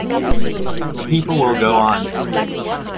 The people will go on.